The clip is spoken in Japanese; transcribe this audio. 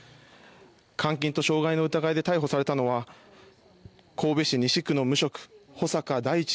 監禁と傷害の疑いで逮捕されたのは神戸市西区の無職穂坂大地